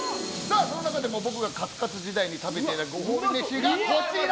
その中でも僕がカツカツ時代に食べていたご褒美飯がこちら！